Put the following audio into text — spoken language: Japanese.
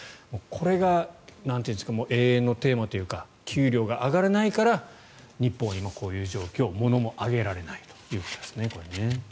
これが永遠のテーマというか給料が上がらないから日本は今こういう状況ものも上げられないということですね。